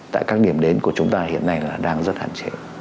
tại các điểm đến của chúng ta hiện nay là đang rất hạn chế